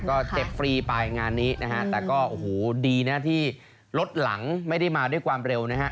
ก็เจ็บฟรีไปงานนี้นะฮะแต่ก็โอ้โหดีนะที่รถหลังไม่ได้มาด้วยความเร็วนะฮะ